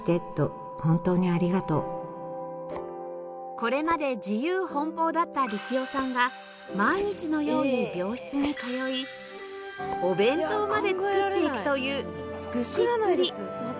これまで自由奔放だった力夫さんが毎日のように病室に通いお弁当まで作っていくという尽くしっぷり